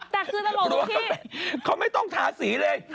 แต่คือตลอดตั้งแต่เขาไม่ต้องทาสีเลย